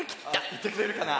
いってくれるかな？